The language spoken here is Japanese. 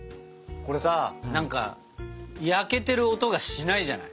これさ何か焼けてる音がしないじゃない？